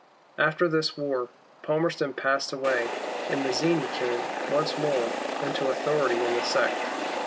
After this war, Palmerston passed away, and Mazzini came, once more, into authority in the sect.